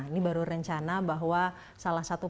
ini baru rencana bahwa salah satu